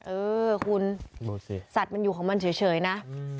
เออคุณดูสิสัตว์มันอยู่ของมันเฉยนะ